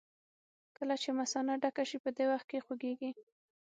کله چې مثانه ډکه شي په دې وخت کې خوږېږي.